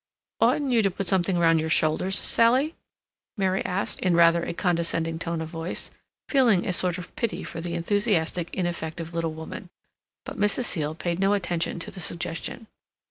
"Oughtn't you to put something round your shoulders, Sally?" Mary asked, in rather a condescending tone of voice, feeling a sort of pity for the enthusiastic ineffective little woman. But Mrs. Seal paid no attention to the suggestion.